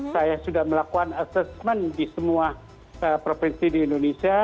saya sudah melakukan assessment di semua provinsi di indonesia